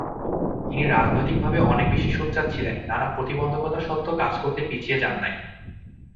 তিনি রাজনৈতিকভাবে অনেক বেশি সোচ্চার ছিলেন, নানা প্রতিবন্ধকতা সত্ত্বেও কাজ করতে পিছিয়ে যান নাই।